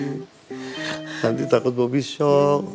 nanti takut bobi shock